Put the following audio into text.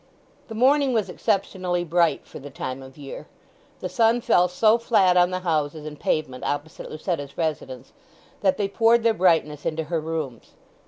The morning was exceptionally bright for the time of year. The sun fell so flat on the houses and pavement opposite Lucetta's residence that they poured their brightness into her rooms.